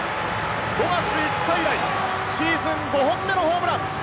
５月５日以来、シーズン５本目のホームラン！